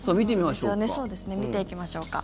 見ていきましょうか。